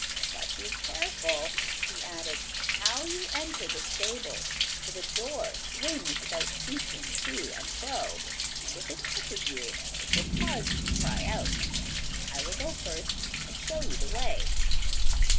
'But be careful,' he added, 'how you enter the stable, for the door swings without ceasing to and fro, and if it touches you, it will cause you to cry out. I will go first and show you the way.